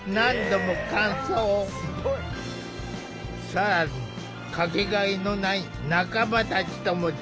更に掛けがえのない仲間たちとも出会えた。